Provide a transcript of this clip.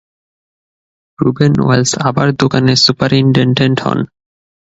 Ruben Wells আবার দোকানের superintendent হন।